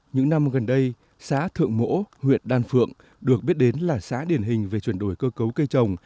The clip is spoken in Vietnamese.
những năm gần đây xã thượng mỗ huyện đan phượng được biết đến là xã điển hình về chuyển đổi cơ cấu cây trồng